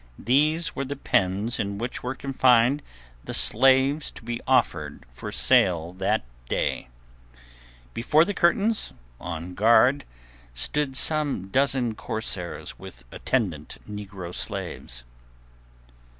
These were the pens in which were confined the slaves to be offered for sale that day. Before the curtains, on guard, stood some dozen corsairs with attendant negro slaves.